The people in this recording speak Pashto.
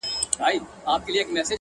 • په کوټه کي به په غېږ کي د څښتن وو,